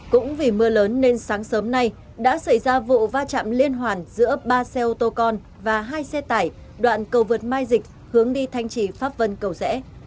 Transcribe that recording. cũng vì mưa lớn nên sáng sớm nay đã xảy ra vụ va chạm liên hoàn giữa ba xe ô tô con và hai xe tải đoạn cầu vượt mai dịch hướng đi thanh trì pháp vân cầu rẽ